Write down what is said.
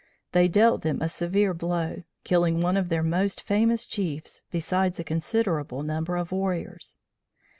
They dealt them a severe blow, killing one of their most famous chiefs, besides a considerable number of warriors.